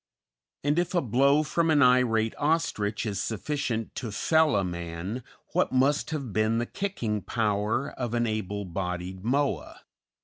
And if a blow from an irate ostrich is sufficient to fell a man, what must have been the kicking power of an able bodied Moa?